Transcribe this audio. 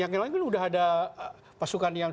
yang lain lain sudah ada pasukan yang